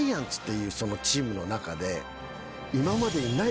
いうチームの中で。